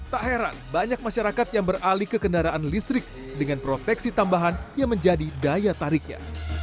tak heran banyak masyarakat yang beralih ke kendaraan listrik dengan proteksi tambahan yang menjadi daya tariknya